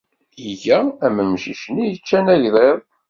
Iga am wemcic-nni ay yeccan agḍiḍ.